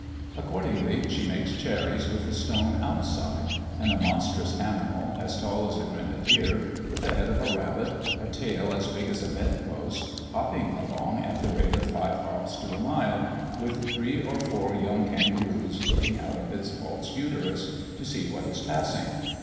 Accordingly, she makes cherries with the stone outside; and a monstrous animal, as tall as a grenadier, with the head of a rabbit, a tail as big as a bedpost, hopping along at the rate of five hops to a mile, with three or four young kangaroos looking out of its false uterus, to see what is passing.